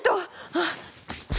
あっ！